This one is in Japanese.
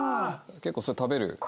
結構食べる。